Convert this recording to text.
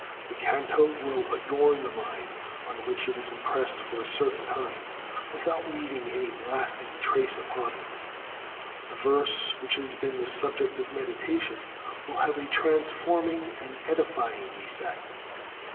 The canto will "adorn" the mind on which it is impressed for a certain time, without leaving any lasting trace upon it. The verse which has been the subject of meditation will have a transforming and edifying effect.